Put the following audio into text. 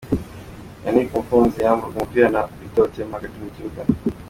Yannick Mukunzi yamburwa umupira na Peter Otema hagati mu kibuga .